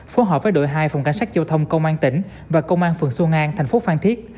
phối hợp với đội hai phòng cảnh sát giao thông công an tỉnh và công an phường xuân an thành phố phan thiết